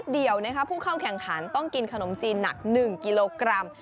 เดียวผู้เข้าแข่งขันต้องกินขนมจีนหนัก๑กิโลกรัม